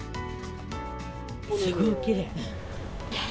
すごいきれい。